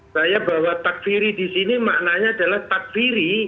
saya bahwa takfiri disini maknanya adalah takfiri